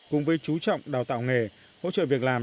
cùng với chú trọng đào tạo nghề hỗ trợ việc làm